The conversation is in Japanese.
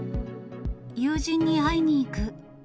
友人に会いに行く。